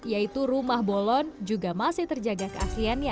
yaitu rumah bolon juga masih terjaga keasliannya